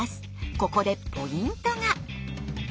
ここでポイントが。